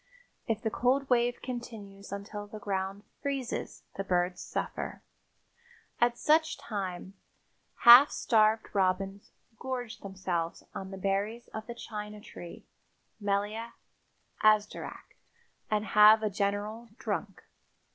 If the cold wave continues until the ground freezes the birds suffer. At such times half starved robins gorge themselves on the berries of the China tree (Melia azederach) and have a general "drunk."